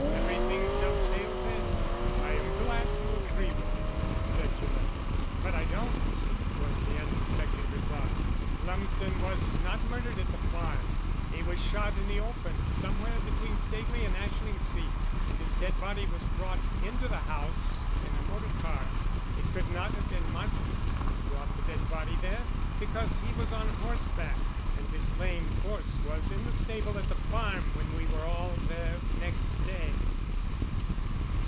"Everything dovetails in." "I am glad you agree with it," said Gillett. "But I don't," was the unexpected reply. "Lumsden was not murdered at the farm. He was shot in the open, somewhere between Staveley and Ashlingsea, and his dead body was brought into the house in a motor car. It could not have been Marsland who brought the dead body there, because he was on horseback, and his lamed horse was in the stable at the farm when we were all there next day."